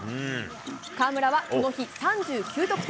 河村はこの日、３９得点。